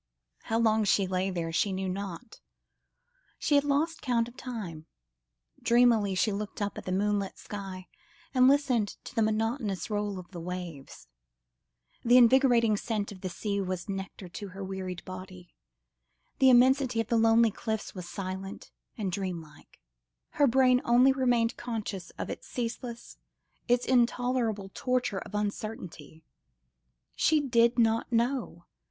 How long she lay there she knew not. She had lost count of time; dreamily she looked up at the moonlit sky, and listened to the monotonous roll of the waves. The invigorating scent of the sea was nectar to her wearied body, the immensity of the lonely cliffs was silent and dreamlike. Her brain only remained conscious of its ceaseless, its intolerable torture of uncertainty. She did not know!